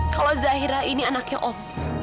kalau zahira ini anaknya om